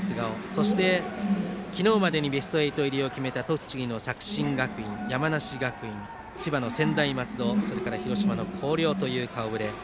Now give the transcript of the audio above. そして昨日までにベスト８入りを決めた作新学院、山梨学院千葉の専大松戸広島の広陵という顔ぶれ。